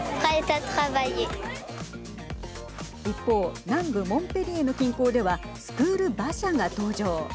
一方南部モンペリエの近郊ではスクール馬車が登場。